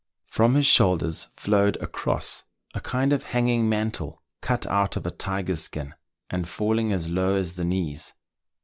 From his shoulders flowed a " kross," a kind of hanging mantle, cut out of a tiger's skin, and falling as low as the knees.